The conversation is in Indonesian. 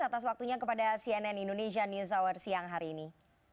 atas waktunya kepada cnn indonesia news hour siang hari ini